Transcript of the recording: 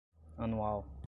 anual